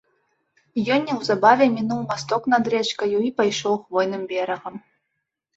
Ён неўзабаве мінуў масток над рэчкаю і пайшоў хвойным берагам.